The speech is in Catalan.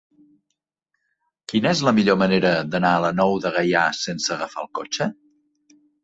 Quina és la millor manera d'anar a la Nou de Gaià sense agafar el cotxe?